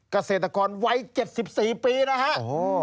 เกษตรกรวัย๗๔ปีนะฮะ